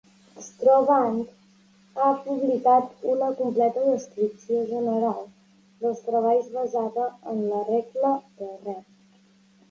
Stroobandt ha publicat una completa descripció general dels treballs basada en la regla de Rent.